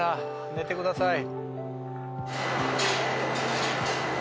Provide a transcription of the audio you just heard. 寝てください。